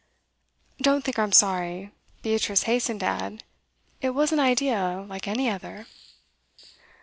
'Don't think I'm sorry,' Beatrice hastened to add. 'It was an idea, like any other.